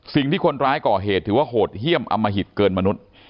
สิ่งที่คนร้ายก่อเหตุถือว่าโหดเยี่ยมอมหิตเกินมนุษย์